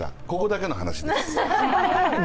ここだけの話です。